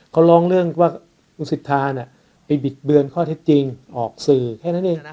เขาร้องเรื่องว่าคุณสิทธาไปบิดเบือนข้อเท็จจริงออกสื่อแค่นั้นเอง